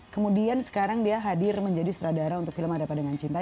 kemudian sekarang dia hadir menjadi sutradara untuk film ada apa dengan cinta